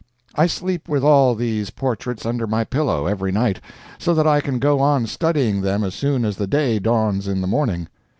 I sleep with all these portraits under my pillow every night, so that I can go on studying them as soon as the day dawns in the morning.